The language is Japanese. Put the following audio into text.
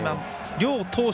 両投手